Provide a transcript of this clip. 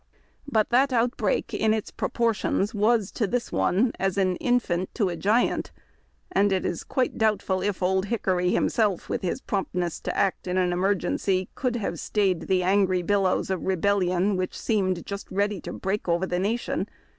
But that outbreak in its proportions was to this one as an infant to a giant, and it is quite doubtful if Old Hickory himself, Avith his prompt ness to act in an emergency, could have stayed the angry billows of rebellion which seemed just ready to l^reak over the nation.